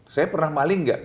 saya pernah maling gak